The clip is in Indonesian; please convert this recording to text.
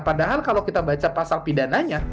padahal kalau kita baca pasal pidananya